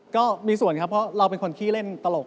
ก็มีส่วนครับเพราะเราเป็นคนขี้เล่นตลก